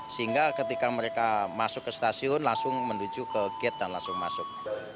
sehingga ketika mereka masuk ke stasiun langsung menuju ke gate dan langsung masuk